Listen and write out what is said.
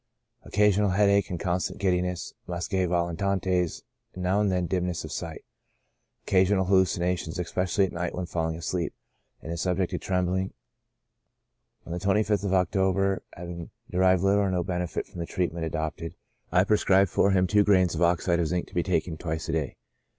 Occasional headache and constant giddiness; muscae volitantes, and now and then dimness of sight ; occasional hallucinations, especially at night when falling asleep ; and is subject to trembling. On the 25th of October, having derived little or no benefit from the treatment adopted, I prescribed for him two grains of oxide of zinc, to be taken twice a day.